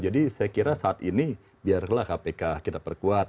jadi saya kira saat ini biarlah kpk kita perkuat